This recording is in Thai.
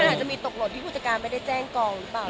อาจจะมีตกหล่นที่ผู้จัดการไม่ได้แจ้งกองหรือเปล่า